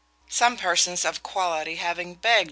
Some persons of quality having begged M.